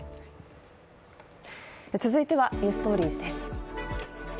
続いては「ｎｅｗｓｔｏｒｉｅｓ」です。